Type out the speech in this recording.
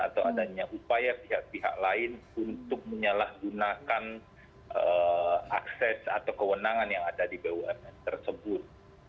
atau adanya upaya pihak pihak lain untuk menyalahgunakan akses atau kewenangan yang ada di bumn tersebut